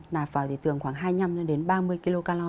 nạp vào thì tưởng khoảng hai mươi năm ba mươi kcal